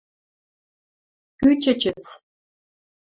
— Кӱ чӹчӹц?